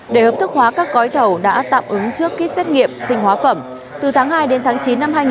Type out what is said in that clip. để hợp thức hóa các gói thầu đã tạm ứng trước kýt xét nghiệm sinh hóa phẩm từ tháng hai đến tháng chín năm hai nghìn hai mươi